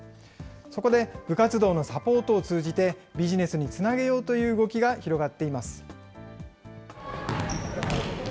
そこで部活動のサポートを通じて、ビジネスにつなげようという動きが広がっています。